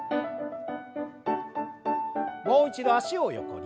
もう一度脚を横に。